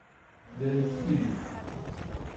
دل سیر